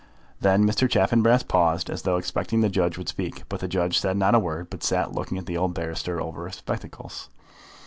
Then Mr. Chaffanbrass paused, as though expecting that the judge would speak; but the judge said not a word, but sat looking at the old barrister over his spectacles.